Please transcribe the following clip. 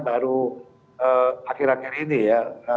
baru akhir akhir ini ya